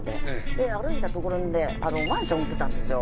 で歩いた所でマンション売ってたんですよ